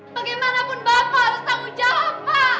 bagaimanapun bapak harus tanggung jawab